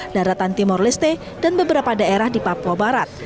daratan timur leste dan beberapa daerah di papua barat